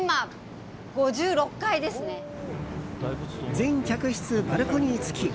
全客室バルコニー付き。